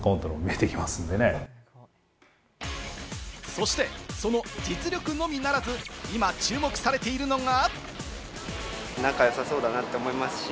そして、その実力のみならず、今注目されているのが。